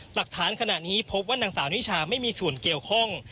ขณะนี้พบว่านางสาวนิชาไม่มีส่วนเกี่ยวข้อง